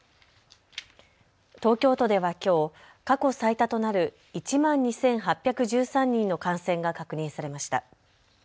東京都ではきょう過去最多となる１万２８１３人の感染が確認されました。